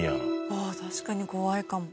ああ確かに怖いかも。